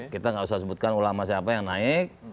kita nggak usah sebutkan ulama siapa yang naik